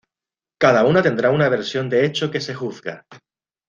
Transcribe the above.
Cada una tendrá una versión del hecho que se juzga.